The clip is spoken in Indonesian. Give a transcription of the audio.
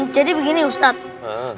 jadi begini ustadz